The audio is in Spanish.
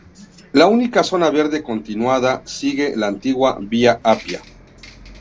La única zona verde continuada sigue la antigua Vía Apia.